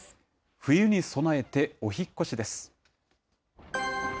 冬に備えてお引っ越しです。